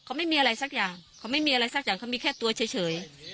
เขาไม่มีอะไรสักอย่างเขาไม่มีอะไรสักอย่างเขามีแค่ตัวเฉย